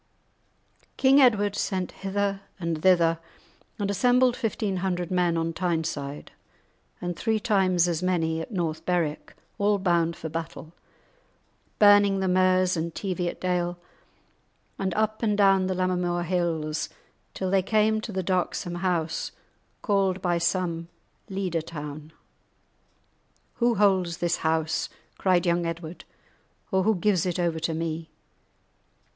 King Edward sent hither and thither, and assembled fifteen hundred men on Tyne side, and three times as many at North Berwick, all bound for battle. They marched up the banks of Tweed, burning the Merse and Teviotdale, and up and down the Lammermoor Hills, until they came to the darksome house called, by some, "Leader Town." "Who holds this house?" cried young Edward, "or who gives it over to me?"